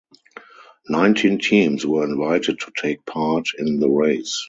Nineteen teams were invited to take part in the race.